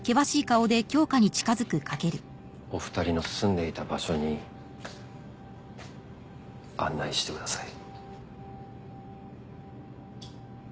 お２人の住んでいた場所に案内してください。